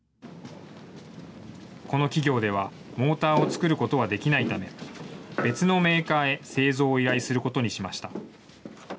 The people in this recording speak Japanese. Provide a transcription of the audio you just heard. この企業では、モーターを作ることはできないため、別のメーカーへ製造を依頼することにしました。